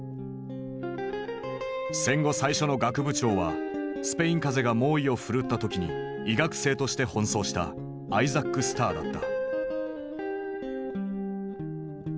戦後最初の学部長はスペイン風邪が猛威を振るった時に医学生として奔走したアイザック・スターだった。